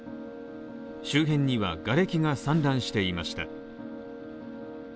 周辺にはがれきが散乱していました。